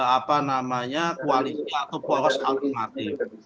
apa namanya koalisi atau poros alternatif